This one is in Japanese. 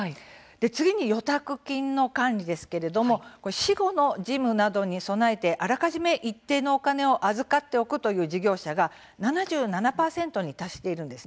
次に預託金の管理ですけれども死後の事務の管理などに備えてあらかじめ一定のお金を預かる事業者が７７％に達しているんです。